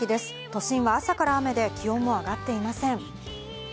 都心は朝から雨で気温も上がっていません。